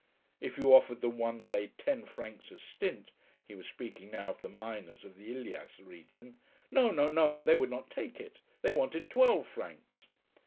If you offered them one day ten francs a stint he was speaking now of the miners of the Iglesias region. No, no, no, they would not take it, they wanted twelve francs.